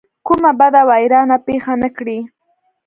کومه بده ویرانه پېښه نه کړي.